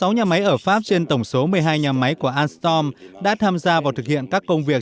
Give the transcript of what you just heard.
sáu nhà máy ở pháp trên tổng số một mươi hai nhà máy của alstom đã tham gia vào thực hiện các công việc